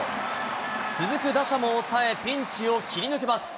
続く打者も抑え、ピンチを切り抜けます。